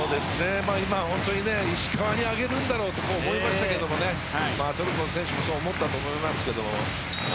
今、石川に上げるんだろうと思いましたけどもトルコの選手もそう思ったと思いますけども。